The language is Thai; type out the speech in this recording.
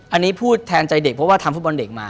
อันนี้พูดแทนใจเด็กเพราะว่าทำฟุตบอลเด็กมา